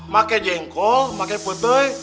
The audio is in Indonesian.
maka jengkol maka putih